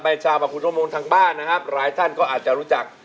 ไม่เจอวัตรคุณทมงคลทางบ้านนะครับหลายท่านก็อาจจะรู้จัก